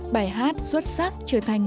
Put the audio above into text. bài hát xuất sắc trở thành